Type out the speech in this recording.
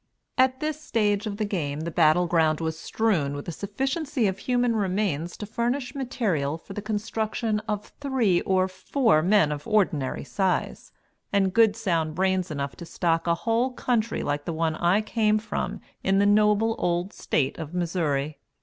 At this stage of the game the battle ground was strewn with a sufficiency of human remains to furnish material for the construction of three or four men of ordinary size, and good sound brains enough to stock a whole county like the one I came from in the noble old state of Missouri.